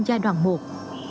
giai đoạn một